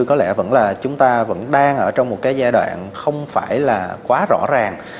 có lẽ vẫn là chúng ta vẫn đang ở trong một cái giai đoạn không phải là quá rõ ràng